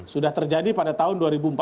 sudah terjadi pada tahun dua ribu empat belas